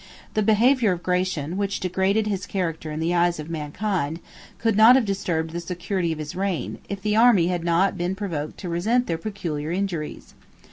6 The behavior of Gratian, which degraded his character in the eyes of mankind, could not have disturbed the security of his reign, if the army had not been provoked to resent their peculiar injuries.